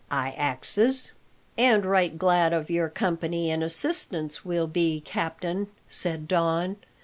I axes." "And right glad of your company and assistance we'll be, captain," said Don.